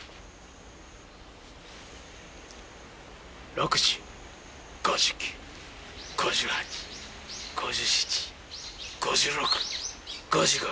６０５９５８５７５６５５。